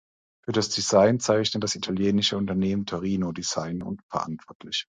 Für das Design zeichnet das italienische Unternehmen Torino Design verantwortlich.